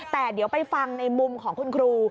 แต่เดี๋ยวไปฟังในมุมของคุณครู